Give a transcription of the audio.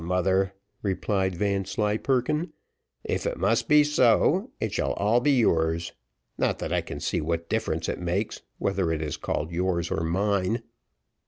"Well, mother," replied Vanslyperken, "if it must be so, it shall all be yours not that I can see what difference it makes, whether it is called yours or mine."